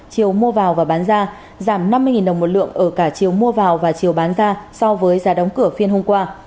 chiều mua vào và bán ra giảm năm mươi đồng một lượng ở cả chiều mua vào và chiều bán ra so với giá đóng cửa phiên hôm qua